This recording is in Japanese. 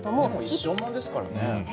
一生もんですよね。